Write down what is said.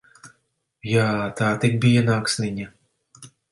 Jā, tā tik bija naksniņa!